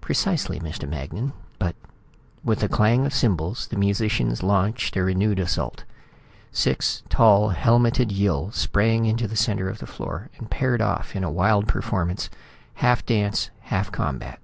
"Precisely, Mr. Magnan. But " With a clang of cymbals the musicians launched a renewed assault. Six tall, helmeted Yill sprang into the center of the floor and paired off in a wild performance, half dance, half combat.